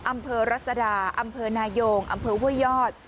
อำเภอรัศดาอำเภอนายงอำเภอเวื่อยอด